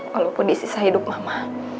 walaupun di sisa hidup mama